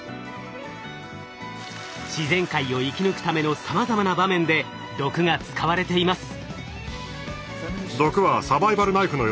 自然界を生き抜くためのさまざまな場面で毒が使われています。